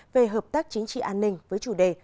về hợp tác chính trị an ninh với chủ đề